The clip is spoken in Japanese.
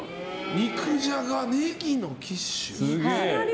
肉じゃが、ネギのキッシュ。